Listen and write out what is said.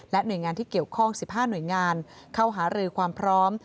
หน่วยงานที่เกี่ยวข้อง๑๕หน่วยงานเข้าหารือความพร้อม